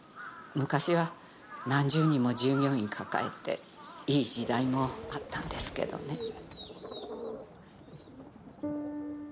昔は何十人も従業員抱えていい時代もあったんですけどね。